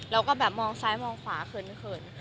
แล้วก็แบบมองซ้ายมองขวาเขิน